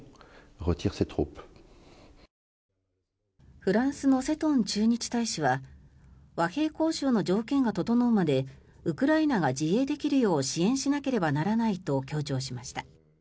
フランスのセトン駐日大使は和平交渉の条件が整うまでウクライナが自衛できるよう支援しなければならないと強調しました。